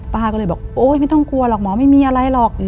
ป้าก็เลยบอกโอ๊ยไม่ต้องกลัวหรอกหมอไม่มีอะไรหรอก